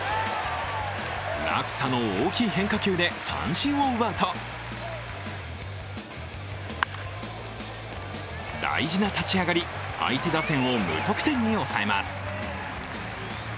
落差の大きい変化球で三振を奪うと大事な立ち上がり、相手打線を無得点に抑えます。